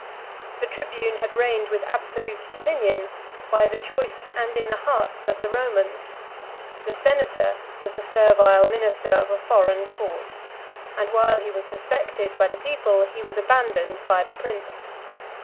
The tribune had reigned with absolute dominion, by the choice, and in the hearts, of the Romans: the senator was the servile minister of a foreign court; and while he was suspected by the people, he was abandoned by the prince.